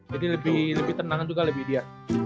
jadi lebih tenang juga lebih dia